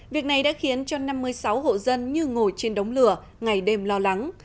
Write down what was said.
việc này đã khiến cho năm mươi sáu hộ dân như ngồi trên đống lửa ngày đêm lo lắng